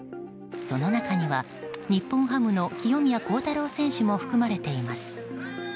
その中には、日本ハムの清宮幸太郎選手も含まれています。